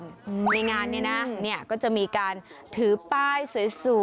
ในงานนี้ก็จะมีการถือป้ายสวย